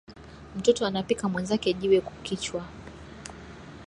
Mtoto anapika mwenzake jiwe ku kichwa